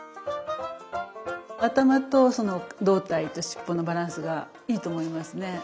頭とその胴体と尻尾のバランスがいいと思いますね。